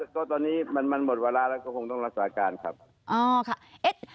ก็ตอนนี้มันมันหมดเวลาแล้วก็คงต้องรักษาการครับอ๋อค่ะเอ๊ะ